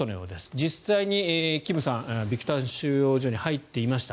実際にキムさんビクタン収容所に入っていました。